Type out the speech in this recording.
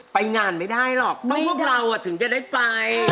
ไปงานไม่ได้หรอกเพราะพวกเราถึงจะได้ไป